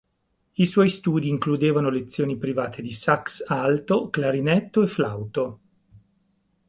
I suoi studi includevano lezioni private di sax alto, clarinetto e flauto.